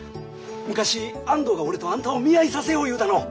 昔安藤が俺とあんたを見合いさせよう言うたの。